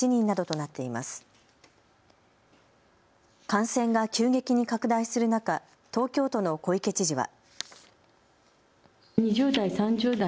感染が急激に拡大する中、東京都の小池知事は。